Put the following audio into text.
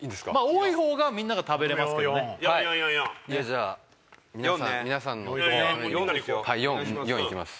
多い方がみんなが食べれますけどじゃあ皆さんのために４ね４４いきます